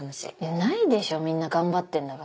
ないでしょみんな頑張ってんだから。